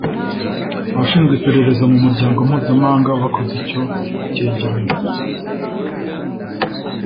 Abashinzwe iperereza mu muryango mpuzamahanga bakoze icyo cyegeranyo